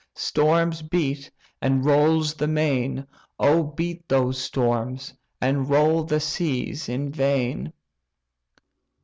storms beat, and rolls the main, Oh, beat those storms, and roll the seas in vain!"